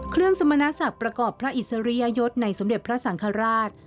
สมณศักดิ์ประกอบพระอิสริยยศในสมเด็จพระสังฆราช